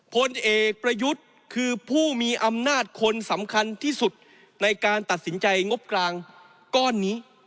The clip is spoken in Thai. พลเอกประยุทธ์คือผู้มีอำนาจคนสำคัญที่สุดในการตัดสินใจงบกลางก้อนนี้